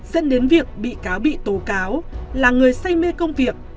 dẫn đến việc bị cáo bị tố cáo là người say mê công việc